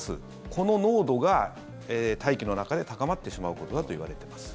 この濃度が大気の中で高まってしまうことだといわれています。